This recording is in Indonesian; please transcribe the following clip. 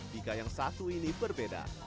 tiga yang satu ini berbeda